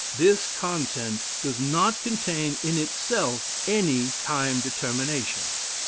This content does not contain in itself any time determination.